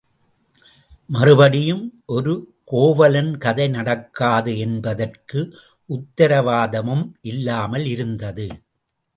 மறுபடியும் ஒரு கோவலன் கதை நடக்காது என்பதற்கு உத்தரவாதமும் இல்லாமல் இருந்தது.